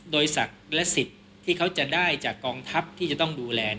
โดยศักดิ์และสิทธิ์ที่เขาจะได้จากกองทัพที่จะต้องดูแล